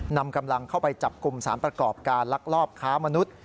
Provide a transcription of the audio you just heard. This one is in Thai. นำกำลังเข้าไปจับกลุ่มสารประกอบการลักลอบค้ามนุษย์